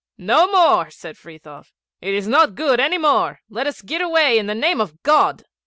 'No more,' said Frithiof, 'it is not good any more. Let us get away, in the name of God.'